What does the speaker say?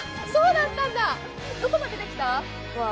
どこまでできた？